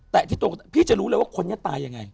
แตะที่ตัวคนตายพี่จะรู้แล้วว่าคนยังตายยังไง